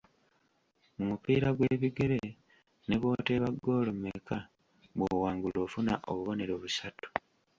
Mu mupiira gw'ebigere ne bw'oteeba ggoolo mmeka bw'owangula ofuna obubonero busatu.